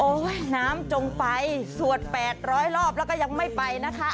โอ๊ยน้ำจงไปสวดแปดร้อยรอบแล้วก็ยังไม่ไปนะคะ